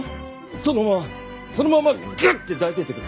そのままそのままグッて抱いててくれ。